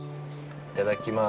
いただきます。